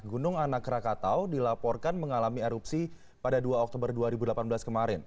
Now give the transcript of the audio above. gunung anak rakatau dilaporkan mengalami erupsi pada dua oktober dua ribu delapan belas kemarin